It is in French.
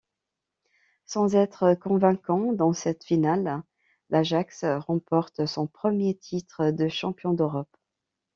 Sans être convaincant dans cette finale, l'Ajax remporte son premier titre de champion d'Europe.